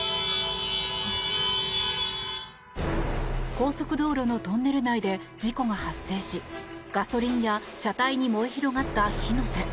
高速道路のトンネル内で事故が発生しガソリンや車体に燃え広がった火の手。